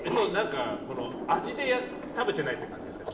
味で食べてないって感じですか。